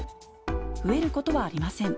増えることはありません。